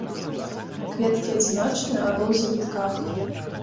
Кветкі адзіночныя або ў завітках.